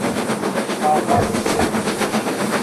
اي مآر لآگي ڇي ۔